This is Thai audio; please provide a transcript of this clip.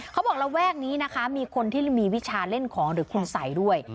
เขาบอกแล้วแวกนี้นะคะมีคนที่มีวิชาเล่นของหรือคุณใส่ด้วย